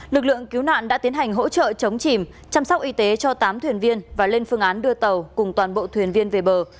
lực lượng cứu nạn đã tiến hành hỗ trợ chống chìm chăm sóc y tế cho tám thuyền viên và lên phương án đưa tàu cùng toàn bộ thuyền viên về bờ